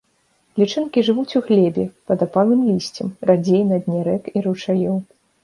Лічынкі жывуць у глебе, пад апалым лісцем, радзей на дне рэк і ручаёў.